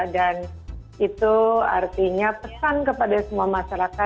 dan itu artinya pesan kepada semua masyarakat